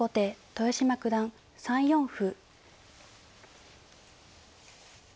豊島九段３四歩。